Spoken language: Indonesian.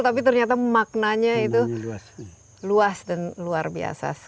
tapi ternyata maknanya itu luas dan luar biasa